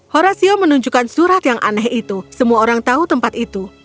horasio menunjukkan surat yang aneh itu semua orang tahu tempat itu